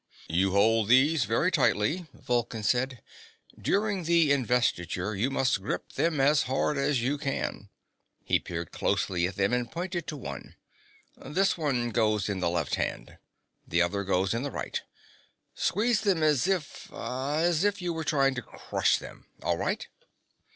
"You hold these very tightly," Vulcan said. "During the Investiture, you must grip them as hard as you can." He peered closely at them and pointed to one. "This one goes in the left hand. The other goes in the right. Squeeze them as if as if you were trying to crush them. All right?"